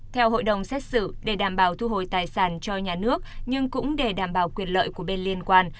theo hội đồng xét xử để đảm bảo thu hồi tài sản cho nhà nước nhưng cũng để đảm bảo quyền lợi của bên liên quan